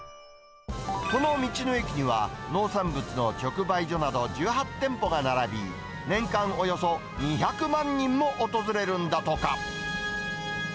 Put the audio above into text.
この道の駅には、農産物の直売所など１８店舗が並び、年間およそ２００万人も訪れるんだとか。